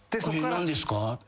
何ですか？